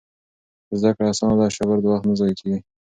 زده کړه اسانه ده، شاګرد وخت نه ضایع کوي.